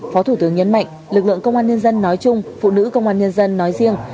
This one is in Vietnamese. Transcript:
phó thủ tướng nhấn mạnh lực lượng công an nhân dân nói chung phụ nữ công an nhân dân nói riêng